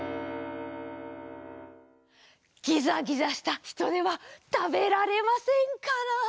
ギザギザしたヒトデはたべられませんから。